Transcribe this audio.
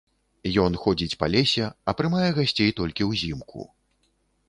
Ён ходзіць па лесе, а прымае гасцей толькі ўзімку.